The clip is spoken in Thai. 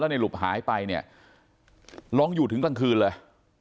ในหลุบหายไปเนี่ยร้องอยู่ถึงกลางคืนเลย